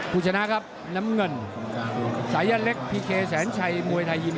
ผู้ชนะครับน้ำเงินสายันเล็กพีเคแสนชัยมวยไทยยิม